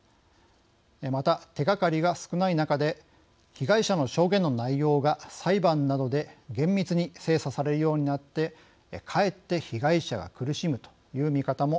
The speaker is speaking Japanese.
また手がかりが少ない中で被害者の証言の内容が裁判などで厳密に精査されるようになってかえって被害者が苦しむという見方もあります。